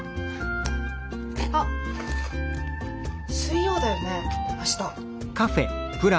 あっ水曜だよね明日。